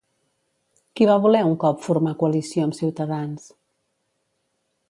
Qui va voler un cop formar coalició amb Cs?